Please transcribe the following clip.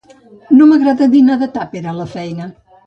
No m'agrada dinar de tàper a la feina.